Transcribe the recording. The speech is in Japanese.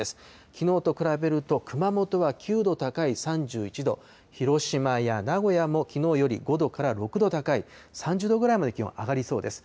きのうと比べると熊本は９度高い３１度、広島や名古屋もきのうより５度から６度高い３０度ぐらいまで気温上がりそうです。